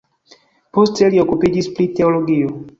Poste li okupiĝis pri teologio.